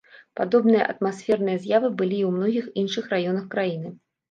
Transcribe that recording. Падобныя атмасферныя з'явы былі і ў многіх іншых раёнах краіны.